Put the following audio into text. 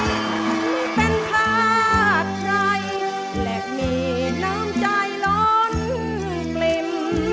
ไม่เป็นพลาดใครและมีน้ำใจร้อนกลิ่ม